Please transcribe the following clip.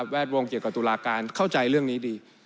ดวงเกี่ยวกับตุลาการเข้าใจเรื่องนี้ดี